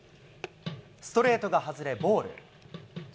ストレートが外れ、ボール。